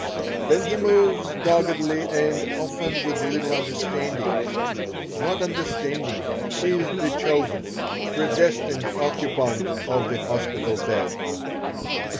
Then he moves doggedly and often with little understanding. Not understanding, he is the chosen, predestined occupant of the hospital bed.